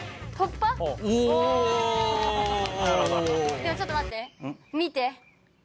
でもちょっと待って。